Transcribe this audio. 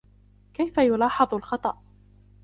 كيف يلاحَظ الخطأ ؟